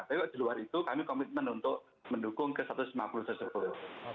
tapi di luar itu kami komitmen untuk mendukung ke satu ratus lima puluh tersebut